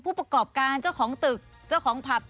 ผู้ประกอบการเจ้าของตึกเจ้าของผับ